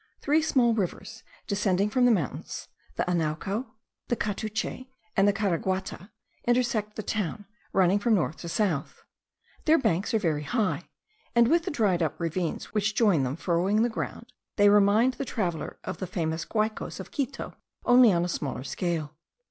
Three small rivers, descending from the mountains, the Anauco, the Catuche, and the Caraguata, intersect the town, running from north to south. Their banks are very high; and, with the dried up ravines which join them, furrowing the ground, they remind the traveller of the famous Guaicos of Quito, only on a smaller scale.